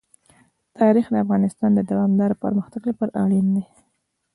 تاریخ د افغانستان د دوامداره پرمختګ لپاره اړین دي.